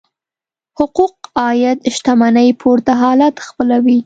حقوق عاید شتمنۍ پورته حالت خپلوي.